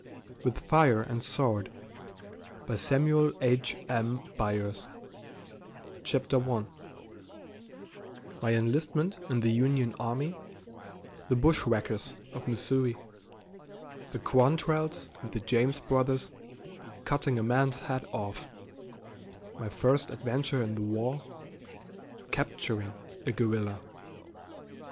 With Fire and Sword CHAPTER I My enlistment in the Union Army The "Bushwhackers" of Missouri The Quantrells and the James Brothers Cutting a man's head off My first adventure in the war Capturing a guerrilla.